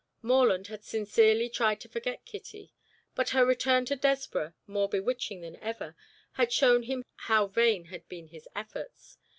Morland had sincerely tried to forget Kitty, but her return to Desborough, more bewitching than ever, had shown him how vain had been his efforts.